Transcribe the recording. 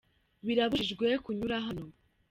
birabujijwe kunyura hano